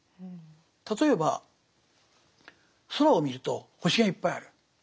例えば空を見ると星がいっぱいある。